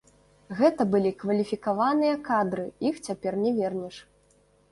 Гэта былі кваліфікаваныя кадры, іх цяпер не вернеш.